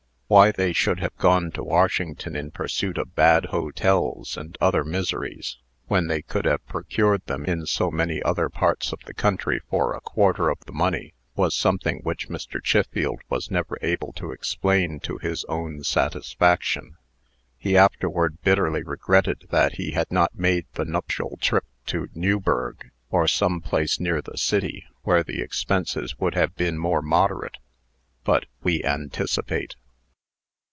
Why they should have gone to Washington in pursuit of bad hotels, and other miseries, when they could have procured them in so many other parts of the country for a quarter of the money, was something which Mr. Chiffield was never able to explain to his own satisfaction. He afterward bitterly regretted that he had not made the nuptial trip to Newburg, or some place near the city, where the expenses would have been more moderate. But we anticipate.